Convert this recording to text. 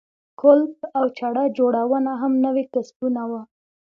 کولپ او چړه جوړونه هم نوي کسبونه وو.